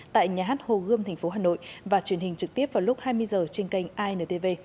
tại nhà hát hồ gươm tp hà nội và truyền hình trực tiếp vào lúc hai mươi h trên kênh intv